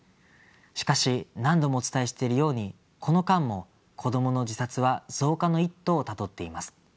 しかし何度もお伝えしているようにこの間も子どもの自殺は増加の一途をたどっています。